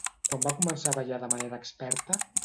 Quan va començar a ballar de manera experta?